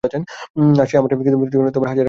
আর সে আমার খিদমতের জন্যে হাজেরাকে দান করেছে।